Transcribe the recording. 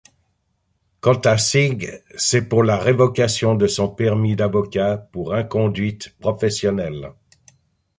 Quant à Singh, c’est pour la révocation de son permis d'avocat pour inconduite professionnelle.